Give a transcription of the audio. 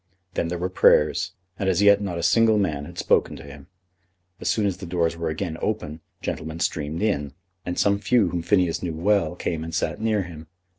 Then there were prayers, and as yet not a single man had spoken to him. As soon as the doors were again open gentlemen streamed in, and some few whom Phineas knew well came and sat near him.